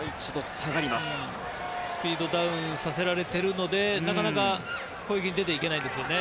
スピードダウンさせられているのでなかなか攻撃に出て行けないんですね。